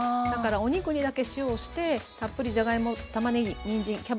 だからお肉にだけ塩をしてたっぷりじゃがいもたまねぎにんじん